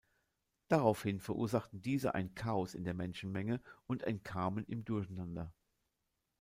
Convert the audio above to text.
Daraufhin verursachten diese ein Chaos in der Menschenmenge und entkamen im Durcheinander.